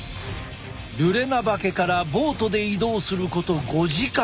ルレナバケからボートで移動すること５時間。